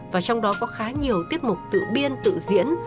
và trong đó có khá nhiều tiết mục tự biên tự diễn